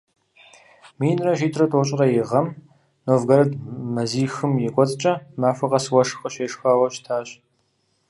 Минрэ щитӏрэ тӏощӏрэ и гъэм Новгород мазихым и кӏуэцӏкӏэ махуэ къэс уэшх къыщешхауэ щытащ.